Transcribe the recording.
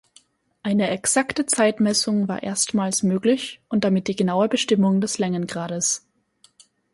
Eine exakte Zeitmessung war erstmals möglich und damit die genaue Bestimmung des Längengrades.